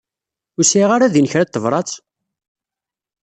Ur sɛiɣ ara din kra n tebrat?